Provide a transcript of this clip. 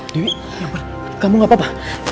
dewi ya ampun kamu gak apa apa